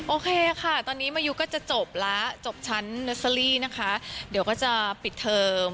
โอเคค่ะตอนนี้มายูก็จะจบแล้วจบชั้นเนอร์เซอรี่นะคะเดี๋ยวก็จะปิดเทอม